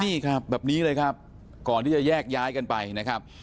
นี่ครับแบบนี้เลยครับก่อนที่จะแยกย้ายกันไปนะครับ